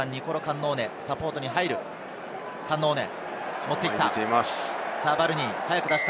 カンノーネ、持っていった。